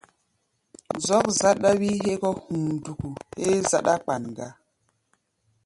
Zɔ́k záɗá wí hégá hamduku héé záɗá-kpan gá.